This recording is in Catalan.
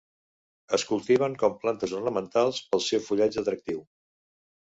Es cultiven com plantes ornamentals pel seu fullatge atractiu.